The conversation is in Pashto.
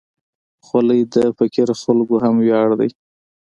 خولۍ د فقیرو خلکو هم ویاړ ده.